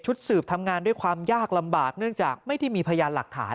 สืบทำงานด้วยความยากลำบากเนื่องจากไม่ได้มีพยานหลักฐาน